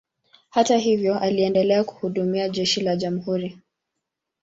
Hata hivyo, aliendelea kuhudumia jeshi la jamhuri.